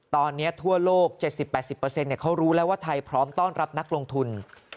ตอนนี้ทั่วโลก๗๐๘๐เขารู้แล้วว่าไทยพร้อมต้อนรับนักลงทุน